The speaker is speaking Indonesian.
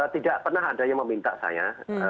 tidak pernah ada yang meminta saya